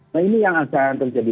nah ini yang akan terjadi